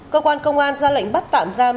cơ quan công an ra lệnh bắt tạm giam